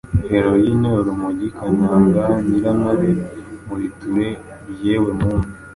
heroyine, urumogi, kanyanga, nyirantare, muriture, yewemuntu,